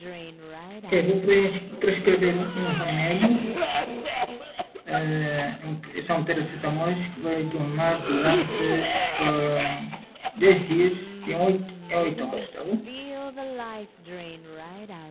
regressivos, informalidade, patina, corroídos, existentes, leque, data-base, negociações